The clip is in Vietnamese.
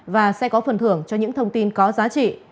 và sẽ có phần thưởng cho những thông tin có giá trị